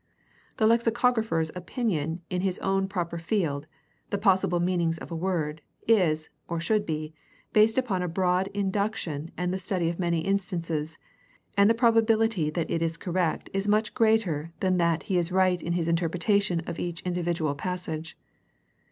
The lexicographer's opinion in his own proper field, the possible meanings of a word, is, or should be, based upon a broad induction and the study of many instances, and the probabihty that it is correct is much greater than that he is right in his interpretation of each individual passage.